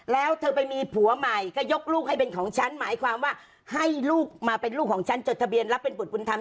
แล้วเธอไปมีผัวใหม่ก็ยกลูกให้เป็นของฉันหมายความว่าให้ลูกมาเป็นลูกของฉันจดทะเบียนรับเป็นบุตรบุญธรรม